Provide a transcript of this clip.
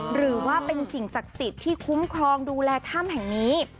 หรือว่าเป็นสิ่งศักดิ์สิทธิ์ที่คุ้มครองดูแลถ้ำแห่งนี้